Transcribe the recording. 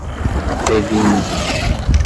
previne